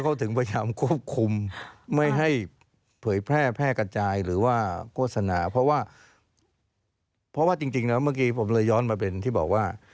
แล้วเมื่อกี้ผมเลยย้อนมาเป็นที่บอกว่า